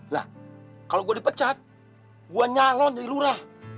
lah kalau gua dipecat gua nyalon jadi lura